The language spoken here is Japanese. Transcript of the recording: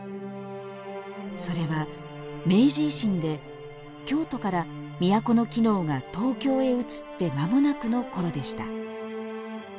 それは明治維新で京都から都の機能が東京へうつって間もなくの頃でした。